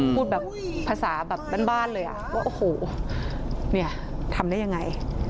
พูดแบบภาษาแบบบ้านเลยว่าโอ้โหเนี่ยทำได้ยังไง